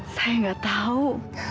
saya gak tau